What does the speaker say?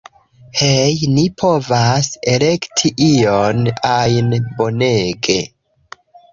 Hej' ni povas elekti ion ajn, bonege